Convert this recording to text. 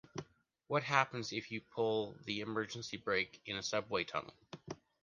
What happens if you pull the emergency brake in a subway tunnel?